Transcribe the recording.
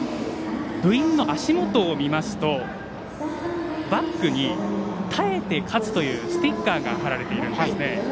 部員の足元を見ますとバッグに「耐えて勝つ」というステッカーが貼られています。